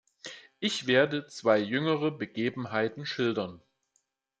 Ich werde zwei jüngere Begebenheiten schildern.